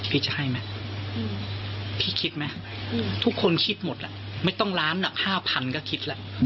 พี่จะให้มั้ยพี่คิดมั้ยทุกคนคิดหมดแล้วไม่ต้องล้านห้าพันก็คิดแล้ว